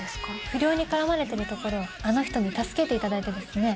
不良に絡まれてるところをあの人に助けていただいてですね